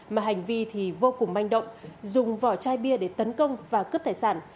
mà hành vi thì vô cùng manh động dùng vỏ chai bia để tấn công và cướp tài sản